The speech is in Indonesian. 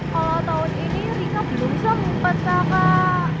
kalau tahun ini rika belum sempet kakak